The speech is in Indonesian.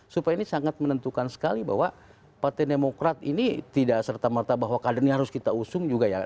supaya ini sangat menentukan sekali bahwa partai demokrat ini tidak serta merta bahwa kadernya harus kita usung juga ya